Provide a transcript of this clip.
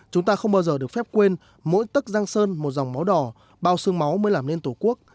chúng ta không bao giờ được phép quên mỗi tức giang sơn một dòng máu đỏ bao sương máu mới làm nên tổ quốc